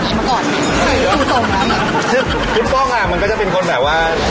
คือมิดฟองอ่ะมันก็ก็เป็นคนแบบว่า